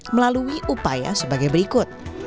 melalui upaya sebagai berikut